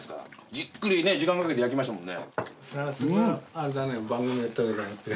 じっくり時間かけて焼きましたもんね。